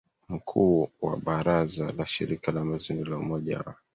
mkuu wa baraza la shirika la mazingira la Umoja wa